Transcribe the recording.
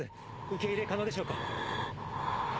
受け入れ可能でしょうか？